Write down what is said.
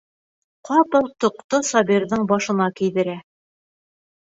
Ҡапыл тоҡто Сабирҙың башына кейҙерә.